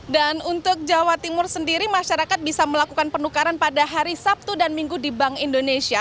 dan untuk jawa timur sendiri masyarakat bisa melakukan penukaran pada hari sabtu dan minggu di bank indonesia